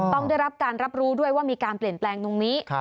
ต้องได้รับการรับรู้ด้วยว่ามีการเปลี่ยนแปลงตรงนี้